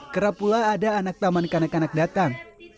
kerap pula ada anak taman kanak kanak datang